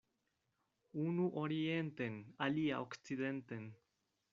Unu orienten, alia okcidenten.